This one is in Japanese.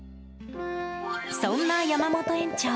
そんな山本園長